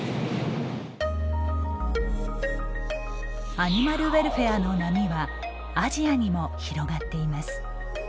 アニマルウェルフェアの波はアジアにも広がっています。